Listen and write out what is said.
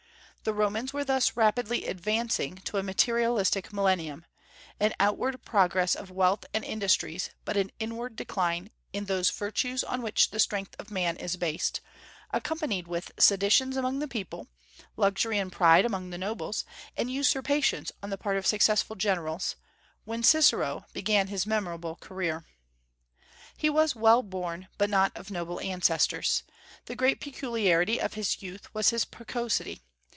The Romans were thus rapidly "advancing" to a materialistic millennium, an outward progress of wealth and industries, but an inward decline in "those virtues on which the strength of man is based," accompanied with seditions among the people, luxury and pride among the nobles, and usurpations on the part of successful generals, when Cicero began his memorable career. He was well born, but not of noble ancestors. The great peculiarity of his youth was his precocity.